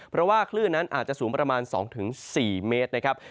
เพราะว่าคลื่นนั้นอาจจะสูงประมาณ๒๔เมตรนะครับ